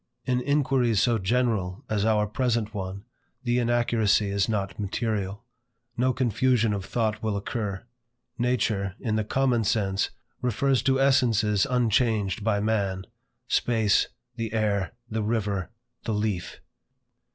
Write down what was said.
In inquiries so general as our present one, the inaccuracy is not material; no confusion of thought will occur. Nature, in the common sense, refers to essences unchanged by man; space, the air, the river, the leaf.